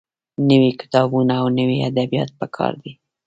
نوي کتابونه او نوي ادبيات پکار دي.